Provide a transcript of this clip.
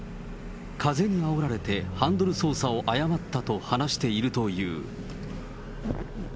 風にあおられて、ハンドル操作を誤ったと話しているという。